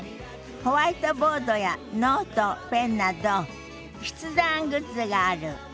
ホワイトボードやノートペンなど筆談グッズがある。